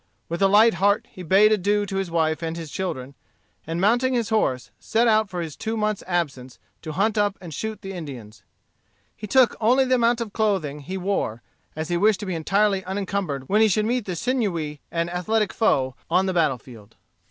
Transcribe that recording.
With a light heart he bade adieu to his wife and his children, and mounting his horse, set out for his two months' absence to hunt up and shoot the Indians. He took only the amount of clothing he wore, as he wished to be entirely unencumbered when he should meet the sinewy and athletic foe on the battle field.